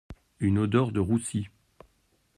Une odeur de roussi.